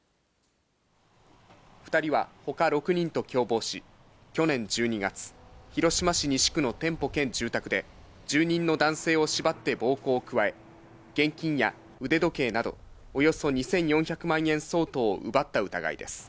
２人はほか６人と共謀し、去年１２月、広島市西区の店舗兼住宅で、住人の男性を縛って暴行を加え、現金や腕時計など、およそ２４００万円相当を奪った疑いです。